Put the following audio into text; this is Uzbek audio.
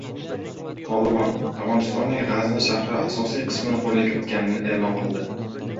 "Tolibon" Afg‘onistonning G‘azni shahri asosiy qismini qo‘lga kiritganini e’lon qildi